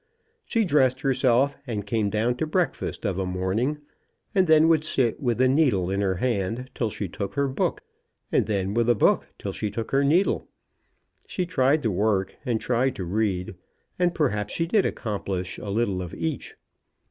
She dressed herself and came down to breakfast of a morning, and then would sit with a needle in her hand till she took her book, and then with a book till she took her needle. She tried to work, and tried to read, and perhaps she did accomplish a little of each.